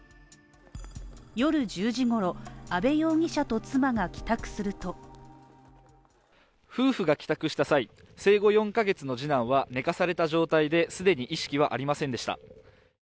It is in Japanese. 夜１０時ごろ、阿部容疑者と妻が帰宅すると夫婦が帰宅した際、生後４カ月の次男は寝かされた状態で、既に意識はありませんでした。